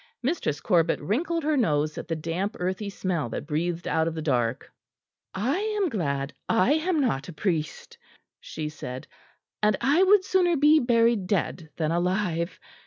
Mistress Corbet wrinkled her nose at the damp earthy smell that breathed out of the dark. "I am glad I am not a priest," she said. "And I would sooner be buried dead than alive.